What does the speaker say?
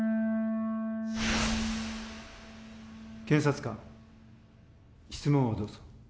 検察官質問をどうぞ。